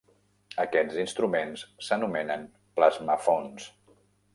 Aquests instruments s'anomenen "plasmaphones".